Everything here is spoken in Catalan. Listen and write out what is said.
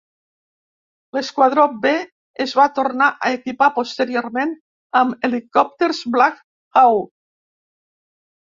L'esquadró "B" es va tornar a equipar posteriorment amb helicòpters Black Hawk.